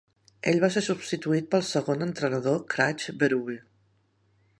Ell va ser substituït pel segon entrenador Craig Berube.